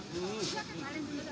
mau duduk di sini